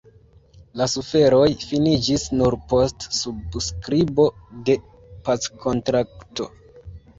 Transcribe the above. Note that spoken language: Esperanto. La suferoj finiĝis nur post subskribo de packontrakto.